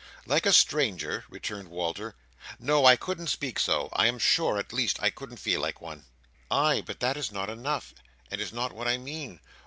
"Like a stranger!" returned Walter, "No. I couldn't speak so. I am sure, at least, I couldn't feel like one." "Ay, but that is not enough, and is not what I mean.